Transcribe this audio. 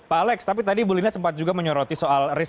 pak alex tapi tadi ibu lina sempat juga menyoroti soal risk